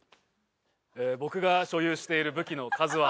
僕が所有している武器の数は。